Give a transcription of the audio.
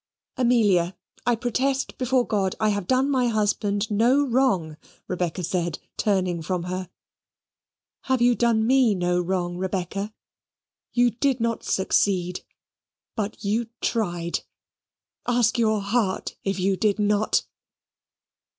"Amelia, I protest before God, I have done my husband no wrong," Rebecca said, turning from her. "Have you done me no wrong, Rebecca? You did not succeed, but you tried. Ask your heart if you did not."